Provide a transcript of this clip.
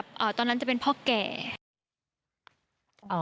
หนูขอกับตอนนั้นจะเป็นพ่อแก่